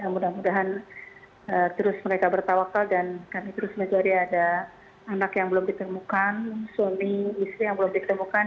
mudah mudahan terus mereka bertawakal dan kami terus mencari ada anak yang belum ditemukan suami istri yang belum ditemukan